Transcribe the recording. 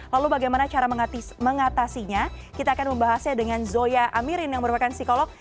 lalu bagaimana cara mengatasinya kita akan membahasnya dengan zoya amirin yang merupakan psikolog